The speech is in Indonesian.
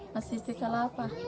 masih istri kelapa